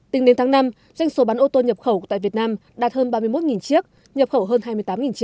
tính đến tháng năm doanh số bán ô tô nhập khẩu tại việt nam đạt hơn ba mươi một chiếc nhập khẩu hơn hai mươi tám chiếc